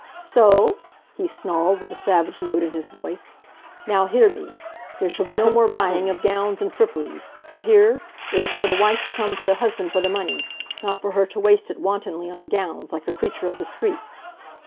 "So?" he snarled, with a savage note in his voice. "Now hear me. There shall be no more buying of gowns and fripperies. You hear? It is for the wife to come to the husband for the money; not for her to waste it wantonly on gowns, like a creature of the streets.